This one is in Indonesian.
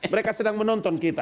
mereka sedang menonton kita